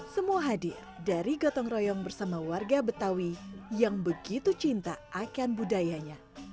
semua hadir dari gotong royong bersama warga betawi yang begitu cinta akan budayanya